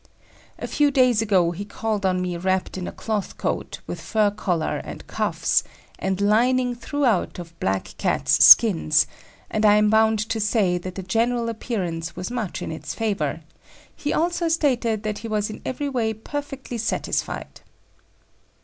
A few days ago he called on me wrapped in a cloth coat, with fur collar and cuffs, and lining throughout of black Cats' skins, and I am bound to say that the general appearance was much in its favour; he also stated that he was in every way perfectly satisfied.